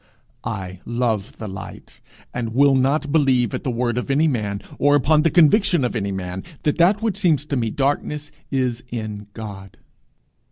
I love the light, and will not believe at the word of any man, or upon the conviction of any man, that that which seems to me darkness is in God.